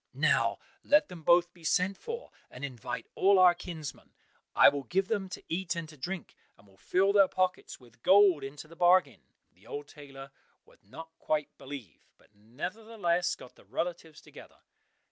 Now let them both be sent for, and invite all our kinsmen. I will give them to eat and to drink, and will fill their pockets with gold into the bargain." The old tailor would not quite believe, but nevertheless got the relatives together.